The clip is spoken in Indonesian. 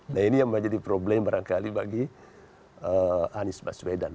nah ini yang menjadi problem barangkali bagi anies baswedan